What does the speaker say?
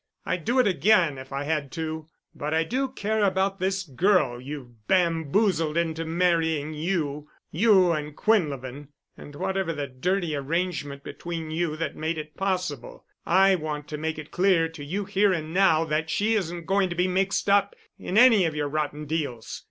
I'd do it again if I had to. But I do care about this girl you've bamboozled into marrying you—you and Quinlevin. And whatever the dirty arrangement between you that made it possible, I want to make it clear to you here and now that she isn't going to be mixed up in any of your rotten deals.